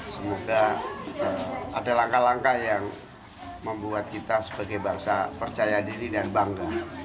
semoga ada langkah langkah yang membuat kita sebagai bangsa percaya diri dan bangga